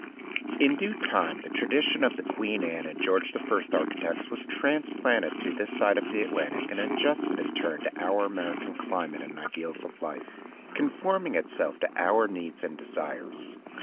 In due time the tradition of the Queen Anne and George I architects was transplanted to this side of the Atlantic and adjusted in turn to our American climate and ideals of life, con forming itself to our needs and desires.